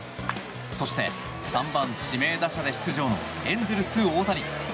そして、３番指名打者で出場のエンゼルス、大谷。